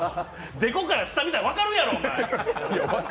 でこから下見たら分かるやろ！